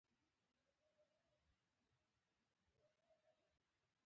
سارا پرون په کلي کې ژبه کښلې وه.